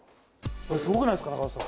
これすごくないですか高田さん。